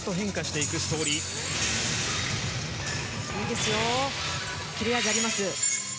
いいですよキレ味、あります。